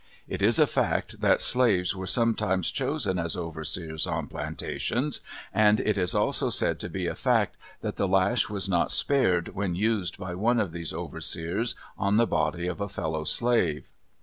It is a fact that slaves were sometimes chosen as overseers on plantations, and it is also said to be a fact that the lash was not spared when used by one of these overseers on the body of a fellow slave.